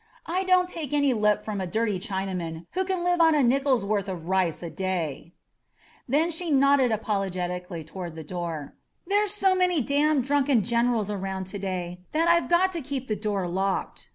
I don't take any lip from a dirty Chinaman who can live on a nickel's worth of rice a day !" Then she nodded apologetically toward the door. "There's so many damned drunken generals around to day that I've got to keep the door locked.